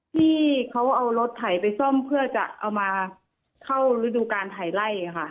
ที่เขาเอารถไถไปซ่อมเพื่อจะเอามาเข้าฤดูการถ่ายไล่ค่ะ